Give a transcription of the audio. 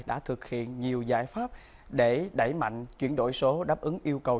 đã thực hiện nhiều giải pháp để đẩy mạnh chuyển đổi số đáp ứng yêu cầu